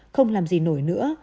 không làm gì nổi nữa